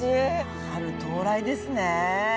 春到来ですね。